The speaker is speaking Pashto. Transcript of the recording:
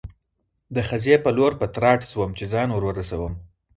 د خزې په لور په تراټ شوم، چې ځان ور ورسوم.